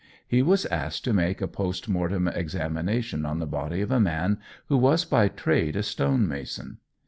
He was asked to make a post mortem examination on the body of a man who was by trade a stone mason.